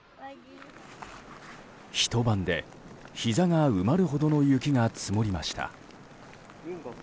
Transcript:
ひと晩で、ひざが埋まるほどの雪が積もりました。